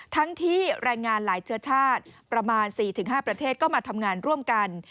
ทั้งที่แรงงานหลายเชื้อชาติประมาณ๔๕ประเทศก็มาทำงานร่วมกัน